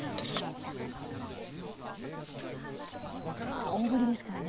わあ大ぶりですからね。